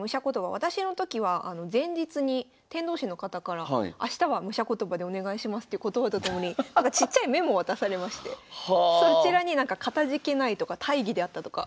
私の時は前日に天童市の方から「あしたは武者言葉でお願いします」という言葉と共にちっちゃいメモを渡されましてそちらになんか「かたじけない」とか「大儀であった」とか。